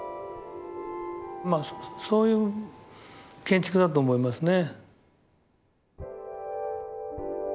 まあそういう建築だと思いますね。